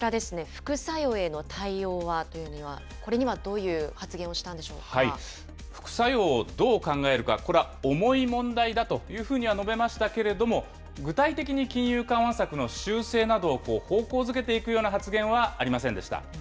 副作用への対応はというのは、これにはどういう発言をしたんでし副作用をどう考えるか、これは重い問題だというふうには述べましたけれども、具体的に金融緩和策の修正などを方向づけていくような発言はありませんでした。